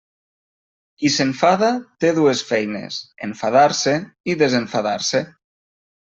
Qui s'enfada té dues feines: enfadar-se i desenfadar-se.